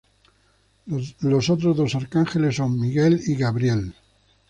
Los otros dos arcángeles son Miguel y Gabriel.